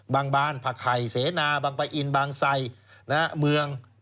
บานผักไข่เสนาบางปะอินบางไซเมือง